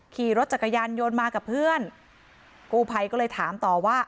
ขี่รถจักรยานยนต์มากับเพื่อนกู้ภัยก็เลยถามต่อว่า